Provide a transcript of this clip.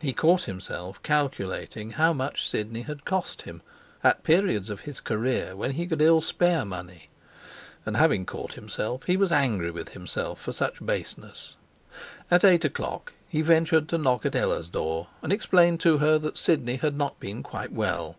He caught himself calculating how much Sidney had cost him, at periods of his career when he could ill spare money; and, having caught himself, he was angry with himself for such baseness. At eight o'clock he ventured to knock at Ella's door and explain to her that Sidney had not been quite well.